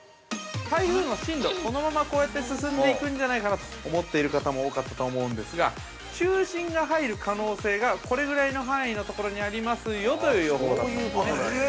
台風の進路、このままこうやって進んでいくんじゃないかなと思っている方も多かったと思うんですが、中心が入る可能性がこれぐらいの範囲のところにありますよという予報だったんですね。